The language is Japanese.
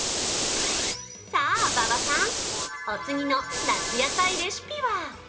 さぁ、馬場さん、お次の夏野菜レシピは？